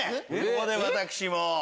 ここで私も。